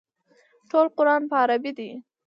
ټول قران په عربي دی.